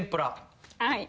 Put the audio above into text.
はい。